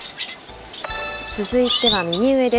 続いては右上です。